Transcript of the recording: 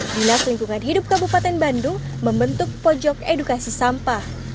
dinas lingkungan hidup kabupaten bandung membentuk pojok edukasi sampah